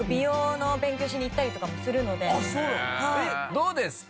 どうですか？